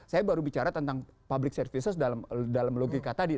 saya baru bicara tentang public services dalam logika tadi